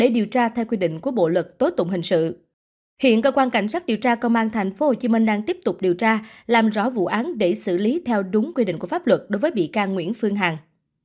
hiện cơ quan cảnh sát điều tra công an tp hcm đang tiếp tục điều tra làm rõ vụ án để xử lý theo đúng quy định của pháp luật đối với bị can nguyễn phương hằng